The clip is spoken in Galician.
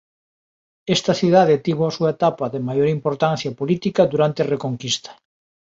Esta cidade tivo a súa etapa de maior importancia política durante a Reconquista.